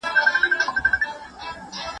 ډیپلوماسي باید د ملي ګټو لپاره کار وکړي.